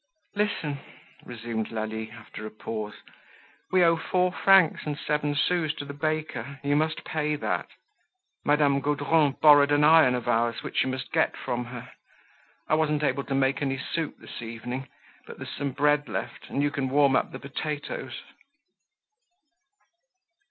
"Listen," resumed Lalie, after a pause. "We owe four francs and seven sous to the baker; you must pay that. Madame Gaudron borrowed an iron of ours, which you must get from her. I wasn't able to make any soup this evening, but there's some bread left and you can warm up the potatoes."